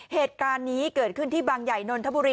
เหตุการณ์นี้เกิดขึ้นที่บางใหญ่นนทบุรี